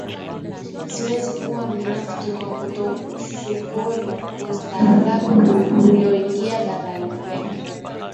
Siwezi kuwa mnafiki kwa kutoshukuru ustaarabu ulioingia barani kwetu